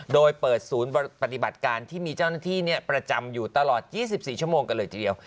โดยเปิดศูนย์ปฏิบัติการที่มีเจ้าหน้าที่นี่เป็นประจำอยู่ตลอด๒๔ชั่วโมงนึง